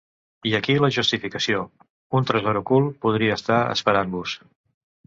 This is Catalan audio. I aquí la justificació: un tresor ocult podria estar esperant-vos.